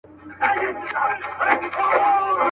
ټوله ژوند مي سترګي ډکي له خیالونو.